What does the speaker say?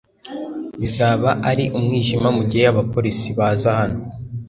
Bizaba ari umwijima mugihe abapolisi baza hano